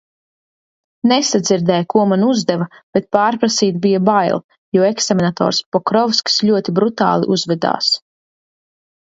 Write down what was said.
Nesadzirdēju, ko man uzdeva, bet pārprasīt bija bail, jo eksaminators Pokrovskis ļoti brutāli uzvedās.